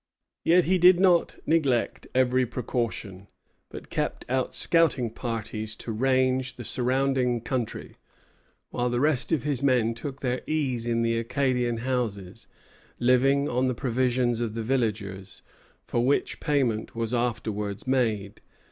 Yet he did not neglect every precaution, but kept out scouting parties to range the surrounding country, while the rest of his men took their ease in the Acadian houses, living on the provisions of the villagers, for which payment was afterwards made.